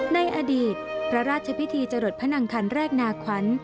ในอดีตพระราชพิธีจรดพระนังคันแรกนาขวัญ